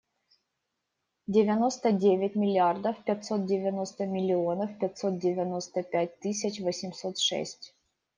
Девяносто девять миллиардов пятьсот девяносто миллионов пятьсот девяносто пять тысяч восемьсот шесть.